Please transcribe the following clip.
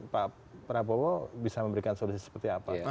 pak prabowo bisa memberikan solusi seperti apa